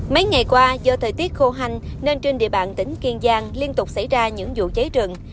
mấy ngày qua do thời tiết khô hanh nên trên địa bàn tỉnh kiên giang liên tục xảy ra những vụ cháy rừng